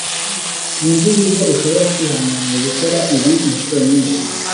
Sinzi uburyo ushobora kwihanganira gukora ibi inshuro nyinshi.